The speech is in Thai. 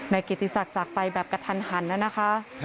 ในกิจกษัตริย์จากไปแบบกระทันแล้วนะคะ